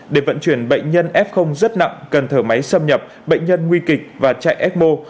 để vận chuyển bệnh nhân f rất nặng cần thở máy xâm nhập bệnh nhân nguy kịch và chạy ecmo